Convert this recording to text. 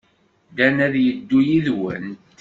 Dan ad yeddu yid-went.